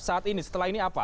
saat ini setelah ini apa